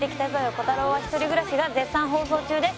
コタローは１人暮らし』が絶賛放送中です。